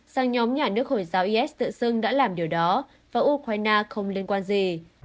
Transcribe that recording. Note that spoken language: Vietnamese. sang nhóm nhà nước hồi giáo is tự xưng đã làm điều đó và ukraine không liên quan gì